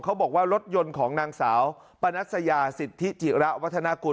เขาบอกว่ารถยนต์ของนางสาวปนัสยาสิทธิจิระวัฒนากุล